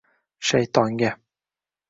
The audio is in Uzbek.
«shayton»ga